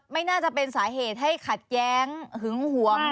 ไม่น่าจะเป็นสาเหตุให้ขัดแย้งหึงหวง